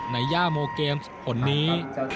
ในย่าโมเกมส์ผ่อนนี้